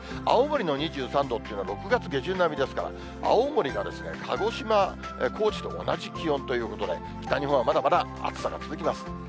青森の２３度というのは、６月下旬並みですから、青森が、鹿児島、高知と同じ気温ということで、北日本はまだまだ暑さが続きます。